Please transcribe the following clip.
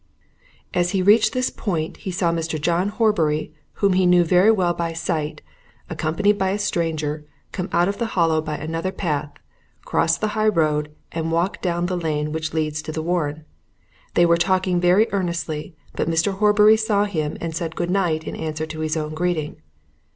As he reached this point, he saw Mr. John Horbury, whom he knew very well by sight, accompanied by a stranger, come out of the Hollow by another path, cross the high road, and walk down the lane which leads to the Warren. They were talking very earnestly, but Mr. Horbury saw him and said good night in answer to his own greeting.